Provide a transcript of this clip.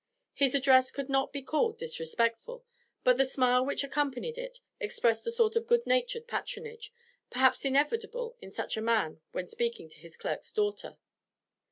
His address could not be called disrespectful, but the smile which accompanied it expressed a sort of good natured patronage, perhaps inevitable in such a man when speaking to his clerk's daughter.